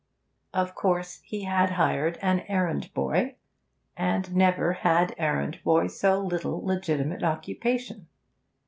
Of course, he had hired an errand boy, and never had errand boy so little legitimate occupation.